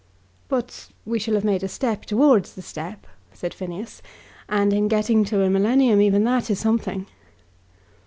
"But we shall have made a step towards the step," said Phineas, "and in getting to a millennium even that is something."